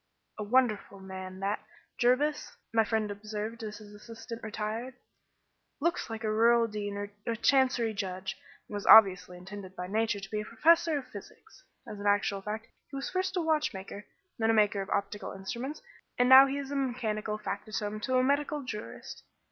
"A wonderful man that, Jervis," my friend observed as his assistant retired. "Looks like a rural dean or a chancery judge, and was obviously intended by Nature to be a professor of physics. As an actual fact he was first a watchmaker, then a maker of optical instruments, and now he is mechanical factotum to a medical jurist.